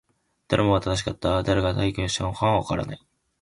誰もが正しかった。誰が撤去したのかはわからない。